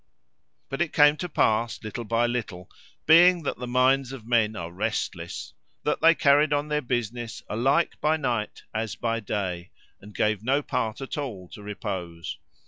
But it came to pass, little by little, being that the minds of men are restless, that they carried on their business alike by night as by day, and gave no part at all to repose.